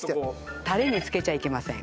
タレに漬けちゃいけません